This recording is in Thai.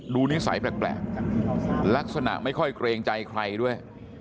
นิสัยแปลกลักษณะไม่ค่อยเกรงใจใครด้วย